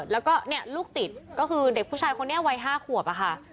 แล้วก็ลูกติดก็คือเด็กผู้ชายคนนี้วัย๕ขวบอะค่ะ